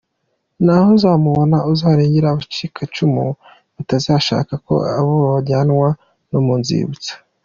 Ntaho uzamubona arengera abacikacumu badashaka ko ababo bajyanwa mu nzibutso.